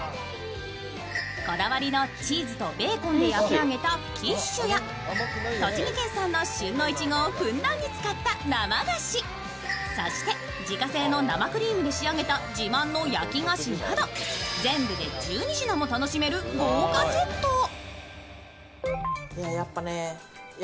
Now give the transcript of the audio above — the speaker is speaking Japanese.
こだわりのチーズとベーコンで焼き上げたキッシュや土地基県産の旬のいちごをふんだんに使った生菓子、そして自家製の生クリームで仕上げた自慢の焼き菓子など全部で１２品も楽しめる豪華セット。